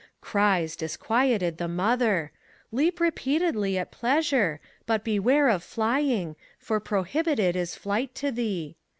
Cries, disquieted, the mother: "Leap repeatedly, at pleasure. But beware of flying I for prohibited is flight to thee."